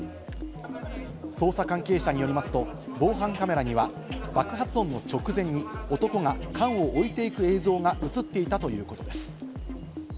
捜査関係者によりますと、防犯カメラには爆発音の直前に男が缶を置いていく映像が映っていたということです。